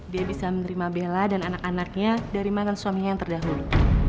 dia bisa menerima bella dan anak anaknya dari mantan suaminya yang terdahulu